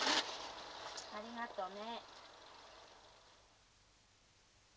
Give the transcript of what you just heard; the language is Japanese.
ありがとね。